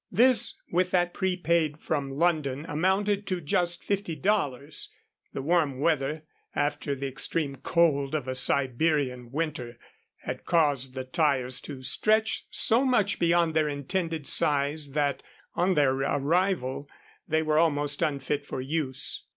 This, with that prepaid from London, amounted to just fifty dollars. The warm weather, after the extreme cold of a Siberian winter, had caused the tires to stretch so much beyond their intended size that, on their arrival, they were almost unfit for use.